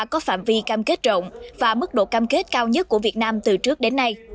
có phạm vi cam kết rộng và mức độ cam kết cao nhất của việt nam từ trước đến nay